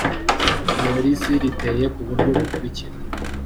polisiriteye ku buryo bukurikira